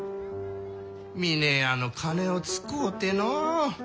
峰屋の金を使うてのう。